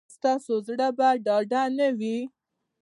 ایا ستاسو زړه به ډاډه نه وي؟